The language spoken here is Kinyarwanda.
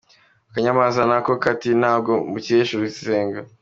Akanyamanza nako kati nabwo mbukesha rusengo.